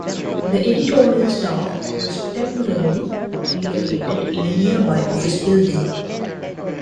The editorial staff was temporarily relocated in a nearby office building.